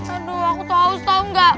aduh aku tuh haus tau gak